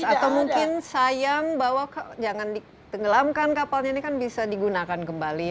atau mungkin sayang bahwa jangan ditenggelamkan kapalnya ini kan bisa digunakan kembali